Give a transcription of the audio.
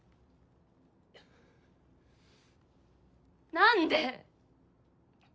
何で？